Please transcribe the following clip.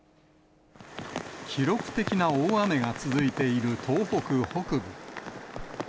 記録的な大雨が続いている東北北部。